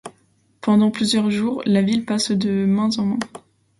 Pendant plusieurs jours la ville passe de mains en mains.